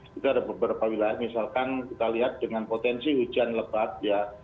juga ada beberapa wilayah misalkan kita lihat dengan potensi hujan lebat ya